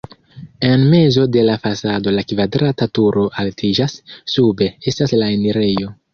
En mezo de la fasado la kvadrata turo altiĝas, sube estas la enirejo.